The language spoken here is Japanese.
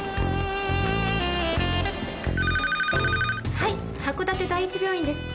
はい函館第一病院です。